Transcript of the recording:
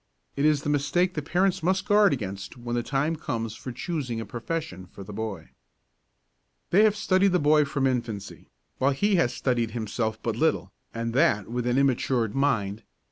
This is the mistake that parents must guard against when the time comes for choosing a profession for the boy. They have studied the boy from infancy, while he has studied himself but little, and that with an immatured mind.